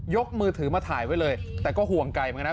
ยกมือถือมาถ่ายไว้เลยแต่ก็ห่วงไก่มั้ยนะ